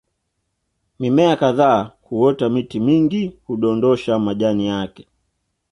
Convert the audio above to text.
Mimea kadhaa huota miti mingi hudondosha majani yake